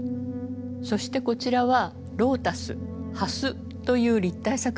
そしてこちらは「Ｌｏｔｕｓ蓮」という立体作品です。